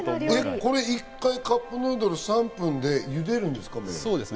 これ一回、カップヌードル３分で茹でるんですか？